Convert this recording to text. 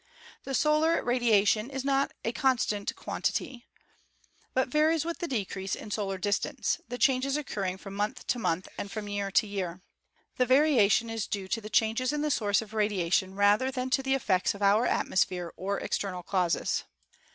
The solar radiation is not a constant quantity, but varies with the decrease in solar distance, the changes occurring from SOLAR ENERGY 123 month to month and from year to year. The variation is due to the changes in the source of radiation rather than to the effects of our atmosphere or external causes.